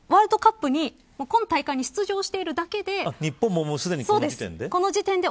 ワールドカップに出場しているだけで日本もすでにこの時点で。